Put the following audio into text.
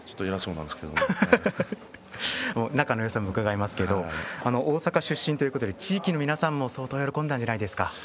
仲のよさもうかがえますけれども大阪出身ということで地域の皆さんも喜んだんじゃないですか。